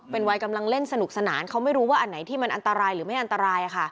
เป็นวัยกำลังเล่นสนุกสนานเขาไม่รู้ว่าอันไหนที่มันอันตรายหรือไม่อันตราย